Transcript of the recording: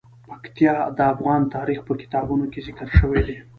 پکتیا د افغان تاریخ په کتابونو کې ذکر شوی دي.